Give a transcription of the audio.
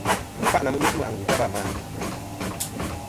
Wa n-kfâʼtɨ̀ na mɨ n-ghɨ kɨmɨ àngù ta va à?